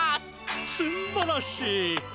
すんばらしい。